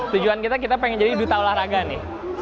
tujuan kita kita pengen jadi duta olahraga nih